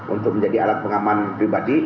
untuk menjadi alat pengaman pribadi